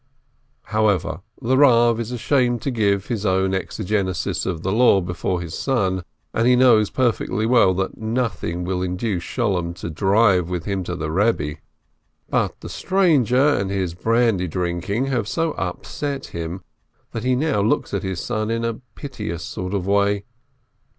However, the Eav is ashamed to give his own exe gesis of the Law before his son, and he knows perfectly well that nothing will induce Sholem to drive with him to the Eebbe. But the stranger and his brandy drinking have so upset him that he now looks at his son in a piteous sort of way.